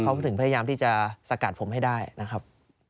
เขาถึงพยายามที่จะสกัดผมให้ได้นะครับ